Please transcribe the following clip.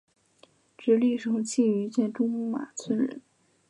直隶省庆云县中马村人。